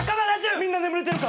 みんな眠れてるかい？